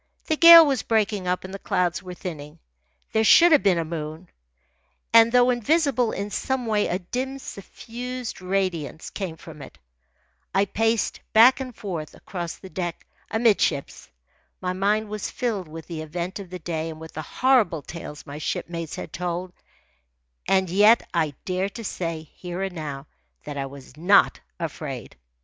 The gale was breaking up, and the clouds were thinning. There should have been a moon, and, though invisible, in some way a dim, suffused radiance came from it. I paced back and forth across the deck amidships. My mind was filled with the event of the day and with the horrible tales my shipmates had told, and yet I dare to say, here and now, that I was not afraid.